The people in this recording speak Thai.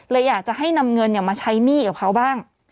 อยากจะให้นำเงินมาใช้หนี้กับเขาบ้าง